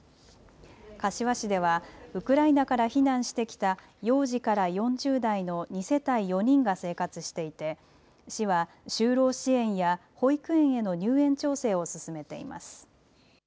柏市ではウクライナから避難してきた幼児から４０代の２世帯４人が生活していて市は就労支援や保育園への入園調整を進めています。